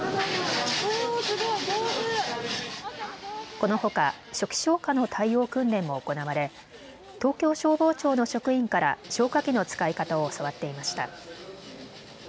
このほか初期消火の対応訓練も行われ東京消防庁の職員から消火器の使い方を教わっていました。